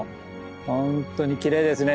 本当にきれいですね。